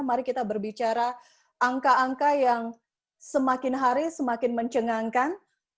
mari kita berbicara angka angka yang semakin hari semakin mencengangkan